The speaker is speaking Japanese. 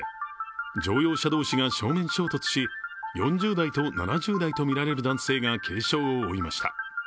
乗用車同士が正面衝突し、４０代と７０代とみられる男性が軽傷を負いました。